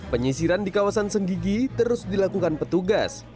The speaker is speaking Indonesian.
penyisiran di kawasan senggigi terus dilakukan petugas